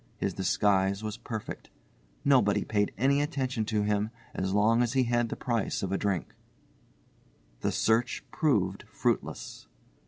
His disguise was perfect. Nobody paid any attention to him as long as he had the price of a drink. The search proved fruitless.